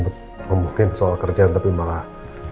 bukin soal kerjaan tapi malah